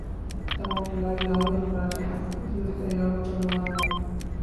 تمام کھلاڑی لاہور اور کراچی سے خصوصی طیاروں پر روانہ ہوں گے